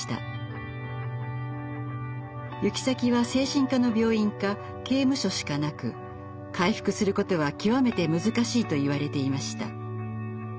行く先は精神科の病院か刑務所しかなく回復することは極めて難しいといわれていました。